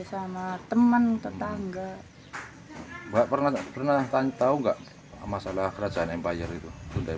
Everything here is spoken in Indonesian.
sama teman tetangga buat pernah pernah tanya tahu enggak masalah kerajaan empire itu sudah